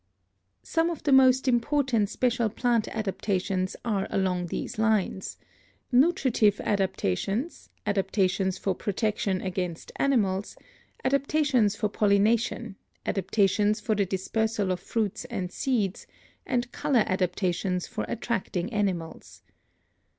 Some of the most important special plant adaptations are along these lines: nutritive adaptations, adaptations for protection against animals, adaptations for pollination, adaptations for the dispersal of fruits and seeds, and color adaptations for attracting animals.